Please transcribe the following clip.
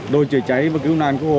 đôi cháy cháy và cứu nạn của hộ